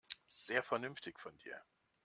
Sehr vernünftig von dir.